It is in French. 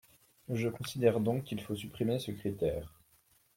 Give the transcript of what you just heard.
Je considère donc qu’il faut supprimer ce critère.